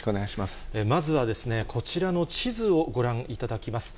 まずはですね、こちらの地図をご覧いただきます。